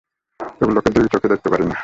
এগুলোকে দুই চোখে দেখতে পারি না!